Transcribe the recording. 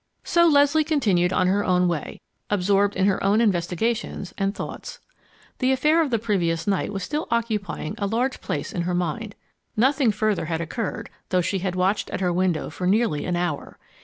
So Leslie continued on her own way, absorbed in her own investigations and thoughts. The affair of the previous night was still occupying a large place in her mind. Nothing further had occurred, though she had watched at her window for nearly an hour.